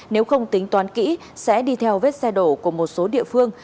nếu không tính toán kỹ sẽ đi theo vết xe đổ của một số địa phương